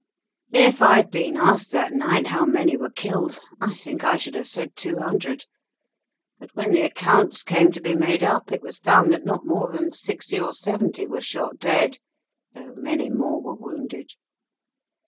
If I had been asked that night how many were killed, I think I should have said two hundred; but when the accounts came to be made up, it was found that not more than sixty or seventy were shot dead, though many more were wounded.